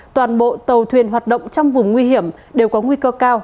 toàn bộ tàu thuyền hoạt động trong vùng nguy hiểm đều có nguy cơ cao